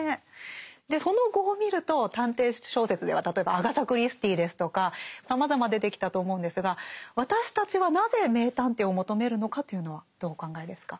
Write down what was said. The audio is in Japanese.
その後を見ると探偵小説では例えばアガサ・クリスティーですとかさまざま出てきたと思うんですが私たちはなぜ名探偵を求めるのか？というのはどうお考えですか？